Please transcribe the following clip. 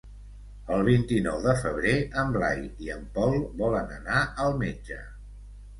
El vint-i-nou de febrer en Blai i en Pol volen anar al metge.